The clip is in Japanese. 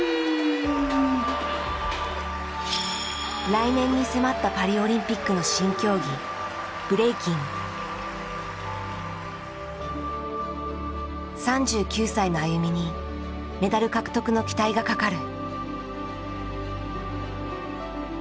来年に迫ったパリオリンピックの３９歳のＡＹＵＭＩにメダル獲得の期待がかかる。